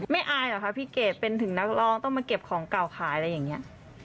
อายเหรอคะพี่เกดเป็นถึงนักร้องต้องมาเก็บของเก่าขายอะไรอย่างนี้